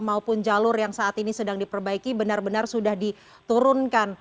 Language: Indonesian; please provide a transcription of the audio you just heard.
maupun jalur yang saat ini sedang diperbaiki benar benar sudah diturunkan